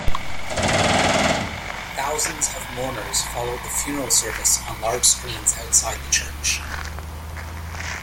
Thousands of mourners followed the funeral service on large screens outside the church.